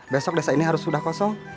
besok desa ini harus sudah kosong